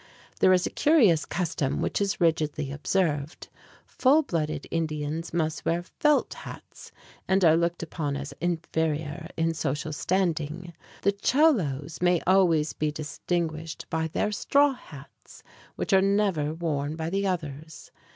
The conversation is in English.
There is a curious custom which is rigidly observed. Full blooded Indians must wear felt hats, and are looked upon as inferior in social standing. The Cholos may always be distinguished by their straw hats, which are never worn by the others.